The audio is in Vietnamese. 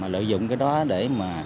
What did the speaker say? lợi dụng đó để